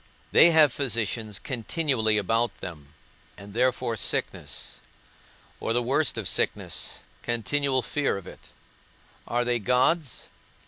They have physicians continually about them, and therefore sickness, or the worst of sicknesses, continual fear of it. Are they gods?